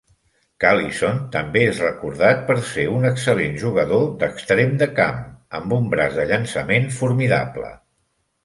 Callison també és recordat per ser un excel·lent jugador d'extrem de camp, amb un braç de llançament formidable.